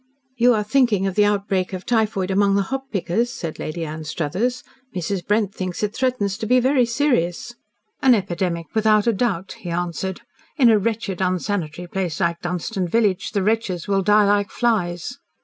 "You are thinking of the outbreak of typhoid among the hop pickers?" said Lady Anstruthers. "Mrs. Brent thinks it threatens to be very serious." "An epidemic, without a doubt," he answered. "In a wretched unsanitary place like Dunstan village, the wretches will die like flies."